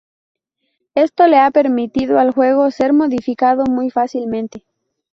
Esto le ha permitido al juego ser modificado muy fácilmente.